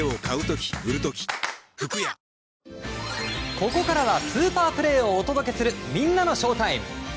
ここからはスーパープレーをお届けするみんなのＳＨＯＷＴＩＭＥ！